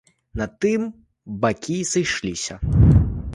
На тым бакі і сышліся.